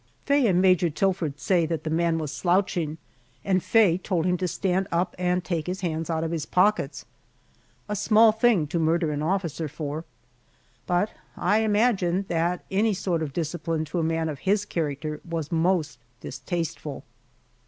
Faye and Major Tilford say that the man was slouching, and Faye told him to stand up and take his hands out of his pockets. A small thing to murder an officer for, but I imagine that any sort of discipline to a man of his character was most distasteful.